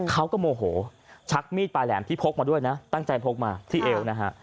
เขาก็โมโหชักมีดปลายแหลมที่พกมาด้วยนะตั้งใจพกมาที่เอวนะฮะ